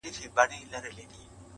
څومره بلند دی.